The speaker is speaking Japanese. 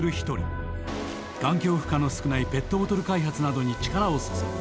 環境負荷の少ないペットボトル開発などに力を注ぐ。